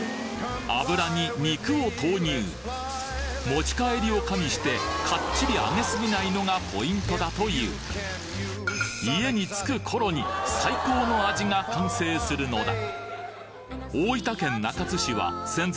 油に肉を投入持ち帰りを加味してかっちり揚げすぎないのがポイントだという家に着く頃に最高の味が完成するのだ大分県